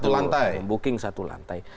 membooking satu lantai